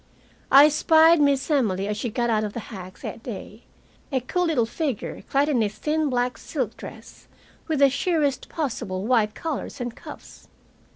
I spied Miss Emily as she got out of the hack that day, a cool little figure clad in a thin black silk dress, with the sheerest possible white collars and cuffs.